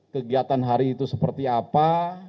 kegiatan hari itu seperti apa